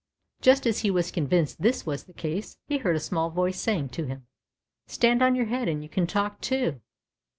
Just as he was convinced this was the case he heard a small voice saying to him : Stand on your head and you can talk too."